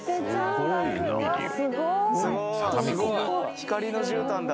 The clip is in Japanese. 光のじゅうたんだ。